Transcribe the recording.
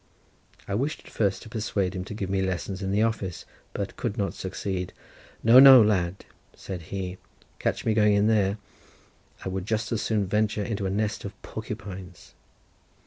I wished at first to persuade him to give me lessons in the office, but could not succeed: "No, no, lad," said he; "catch me going in there: I would just as soon venture into a nest of parcupines."